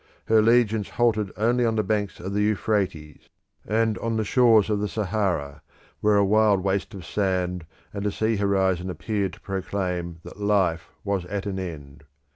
Her legions halted only on the banks of the Euphrates, and on the shores of the Sahara, where a wild waste of sand and a sea horizon appeared to proclaim that life was at an end.